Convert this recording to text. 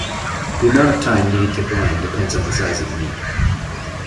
The amount of time needed to brine depends on the size of the meat.